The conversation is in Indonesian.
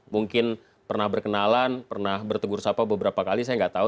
mungkin pernah berkenalan pernah bertegur sapa beberapa kali saya nggak tahu